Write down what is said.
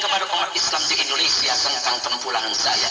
kepada komitmen islam di indonesia tentang kempulangan saya